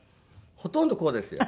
ほとんどこうですよ